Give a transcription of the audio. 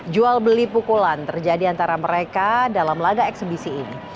jual beli pukulan terjadi antara mereka dalam laga eksebisi ini